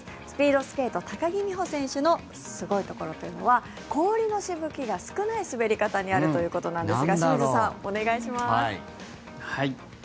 スピードスケート高木美帆選手のすごいところは氷のしぶきが少ない滑り方にあるということなんですが清水さん、お願いします。